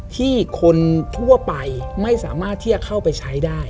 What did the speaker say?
ที่คนทั่วไปไม่สามารถที่จะเข้าไปใช้ได้